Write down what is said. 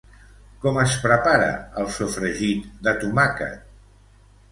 Com es prepara el sofregit de tomàquet?